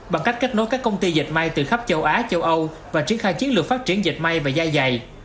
bằng cách kết nối các công ty dịch may từ khắp châu á châu âu và triển khai chiến lược phát triển dệt may và dài dày